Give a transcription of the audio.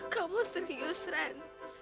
kamu serius ran